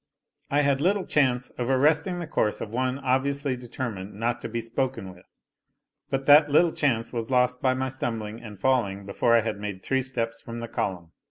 I had little chance of arresting the course of one obviously determined not to be spoken with; but that little chance was lost by my stumbling and falling before I had made three steps from the column.